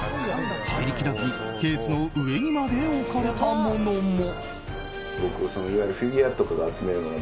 入りきらずにケースの上にまで置かれたものも。